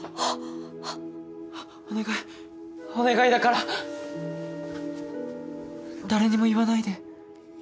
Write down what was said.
お願いお願いだから誰にも言わないで。